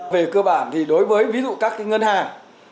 về cơ bản thì đối với ví dụ các ngân hàng